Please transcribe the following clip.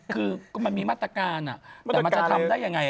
คือมันมีมาตรการแต่มันจะทำได้ยังไง